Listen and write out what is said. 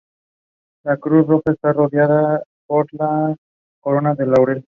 La cruz roja está rodeada por corona de laurel.